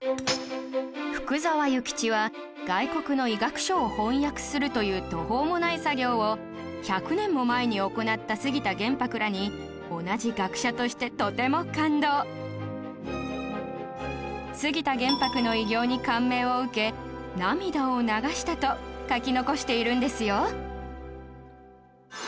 福沢諭吉は外国の医学書を翻訳するという途方もない作業を１００年も前に行った杉田玄白らに同じ学者としてとても感動と書き残しているんですよ